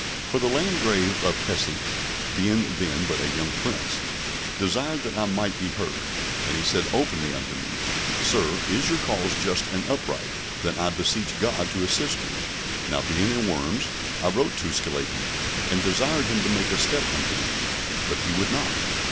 For the Landgrave of Hesse (being then but a young Prince) desired that I might be heard, and he said openly unto me, "Sir, is your cause just and upright, then I beseech God to assist you." Now being in Worms, I wrote to Sglapian, and desired him to make a step unto me, but he would not.